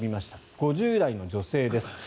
５０代の女性です。